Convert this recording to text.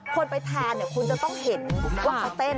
คนไปทานเนี่ยคุณจะต้องเห็นว่าเขาเต้น